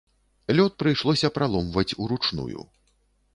Лёд прыйшлося праломваць ўручную.